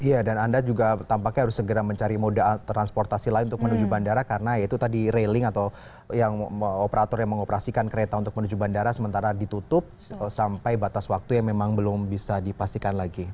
iya dan anda juga tampaknya harus segera mencari moda transportasi lain untuk menuju bandara karena ya itu tadi railing atau operator yang mengoperasikan kereta untuk menuju bandara sementara ditutup sampai batas waktu yang memang belum bisa dipastikan lagi